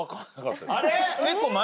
あれ？